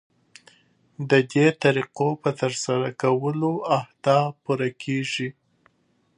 ددې طریقو په ترسره کولو اهداف پوره کیږي.